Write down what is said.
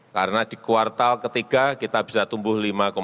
karena di kuartal ketiga kita bisa tumbuh lima tujuh puluh dua